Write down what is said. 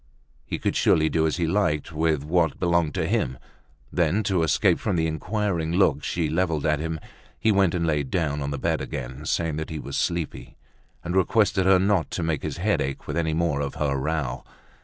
He could surely do as he liked with what belonged to him! Then, to escape from the inquiring looks she leveled at him, he went and laid down on the bed again, saying that he was sleepy, and requesting her not to make his head ache with any more of her row.